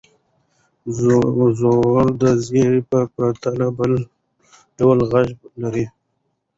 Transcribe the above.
زور د زېر په پرتله بل ډول غږ لري.